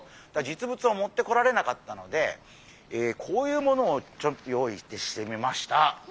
実物を持ってこられなかったのでこういうものを用意してみました。